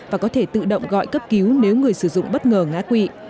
và có thể tự động gọi cấp cứu nếu người sử dụng bất ngờ ngá quỵ